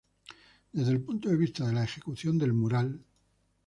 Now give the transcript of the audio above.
Desde el punto de vista de la ejecución del mural.